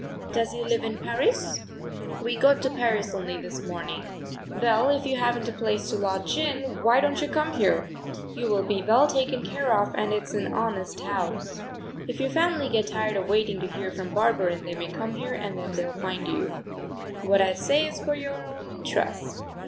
Does he live in Paris?" "We got to Paris only this morning." "Well, if you haven't a place to lodge in, why don't you come here? You will be well taken care of and it's an honest house. If your family get tired of waiting to hear from Barberin they may come here and then they'll find you. What I say is for your own interest.